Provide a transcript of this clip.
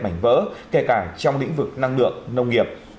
mảnh vỡ kể cả trong lĩnh vực năng lượng nông nghiệp